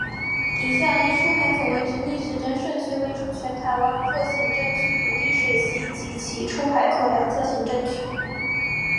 以下依出海口位置逆时针顺序列出全台湾各行政区独立水系及其出海口两侧行政区。